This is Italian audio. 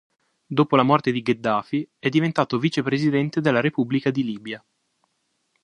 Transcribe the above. Dopo la morte di Gheddafi, è diventato vicepresidente della Repubblica di Libia.